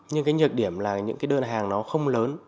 nhưng cái nhược điểm là những đơn hàng không lớn